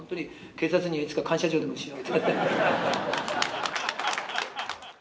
警察にいつか感謝状でもしよう。